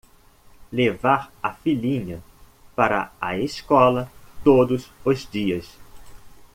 Levar a filhinha para a escola todos os dias